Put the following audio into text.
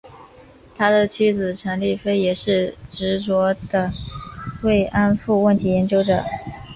他的妻子陈丽菲也是执着的慰安妇问题研究者。